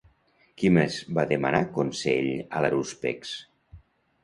Qui més va demanar consell a l'harúspex?